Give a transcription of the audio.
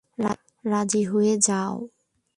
রাজি হয়ে যাও।